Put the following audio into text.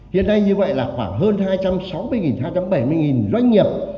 hiện nay như vậy là khoảng hơn hai trăm sáu mươi hai trăm bảy mươi doanh nghiệp